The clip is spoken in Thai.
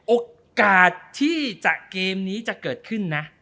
โอกาสที่จะเกมนี้จะเกิดขึ้นนะ